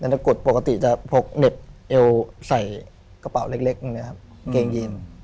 แต่จะกดปกติจะพกเหน็บเอวใส่กระเป๋าเล็กอย่างนี้ครับเกงยีน